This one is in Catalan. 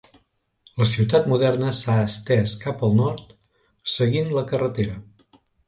La ciutat moderna s'ha estès cap al nord, seguint la carretera.